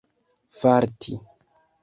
farti